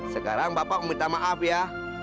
sekarang bapak meminta maaf ya